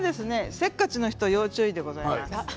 せっかちな人は要注意でございます。